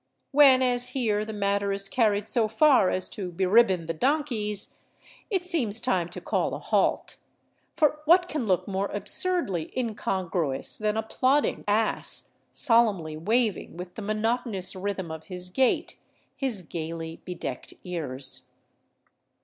When, as here, the matter is carried so far as to beribbon the donkeys, it seems time to call a halt; for what can look more absurdly incongruous than a plodding ass solemnly waving with the monotonous rhythm of his gait his gaily bedecked ears.